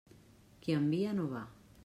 Qui envia, no va.